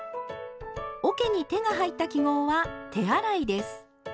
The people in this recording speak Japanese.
おけに手が入った記号は手洗いです。